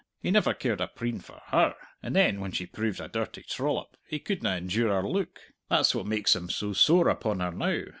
He never cared a preen for her, and then when she proved a dirty trollop, he couldna endure her look! That's what makes him so sore upon her now.